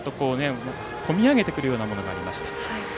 込み上げてくるようなものありました。